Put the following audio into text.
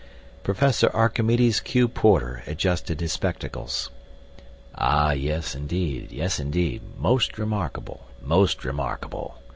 Professor Archimedes Q. Porter adjusted his spectacles. "Ah, yes, indeed; yes indeed—most remarkable, most remarkable!"